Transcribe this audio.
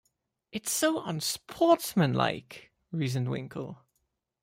‘It’s so unsportsmanlike,’ reasoned Winkle.